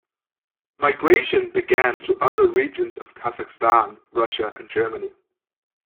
Migration began to other regions of Kazakhstan, Russia and Germany.